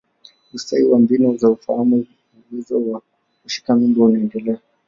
Ustawi wa mbinu za ufahamu wa uwezo wa kushika mimba unaendelea.